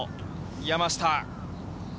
山下。